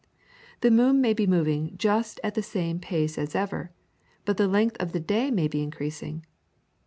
The moon may be moving just at the same pace as ever, but the length of the day may be increasing.